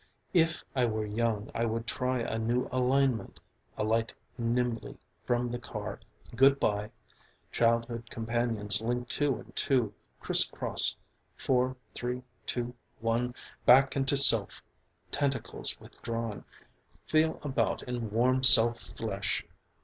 If I were young I would try a new alignment alight nimbly from the car, Good bye! Childhood companions linked two and two criss cross: four, three, two, one. Back into self, tentacles withdrawn. Feel about in warm self flesh.